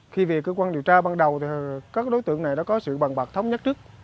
khi về cơ quan điều tra ban đầu thì các đối tượng này đã có sự bằng bạc thống nhất trước